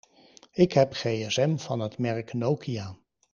Ik heb gsm van het merk Nokia.